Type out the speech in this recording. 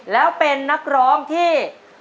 แล้วเป็นนักร้องที่